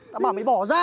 tao bảo mày bỏ ra